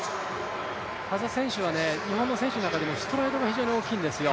田澤選手は日本の選手の中でもストライドが非常に大きいんですよ。